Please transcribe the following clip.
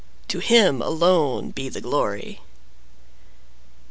To Him alone be the glory!